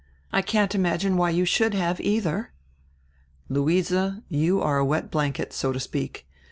I can't imagine why you should have, either." "Luise, you are a wet blanket, so to speak.